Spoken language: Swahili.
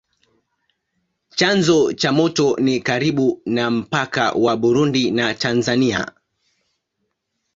Chanzo cha mto ni karibu na mpaka wa Burundi na Tanzania.